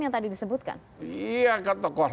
yang tadi disebutkan iya ke tokoh